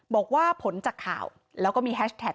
บอกว่าผลจากข่าวแล้วก็มีแฮชแท็